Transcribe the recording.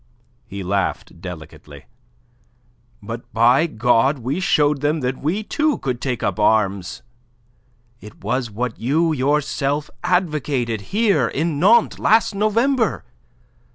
He laughed delicately. "But, by God, we showed them that we, too, could take up arms. It was what you yourself advocated here in Nantes, last November.